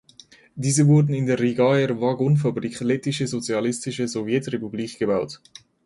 Diese wurden in der Rigaer Waggonfabrik (Lettische Sozialistische Sowjetrepublik) gebaut.